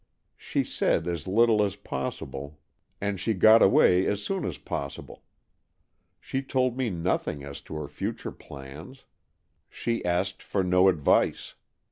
She said as little as possible, and I 130 AN EXCHANGE OF SOULS she got away as soon as possible. She told me nothing as to her future plans. She asked for no advice.